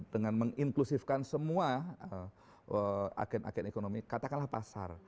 dengan menginklusifkan semua agen agen ekonomi katakanlah pasar